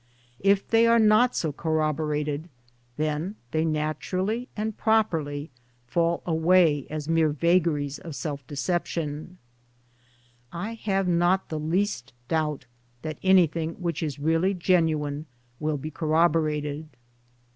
If they are not so corroborated, then they naturally and properly fall away as mere vagaries of self deception. I have 'not the least doubt that anything which is really genuine will be corroborated.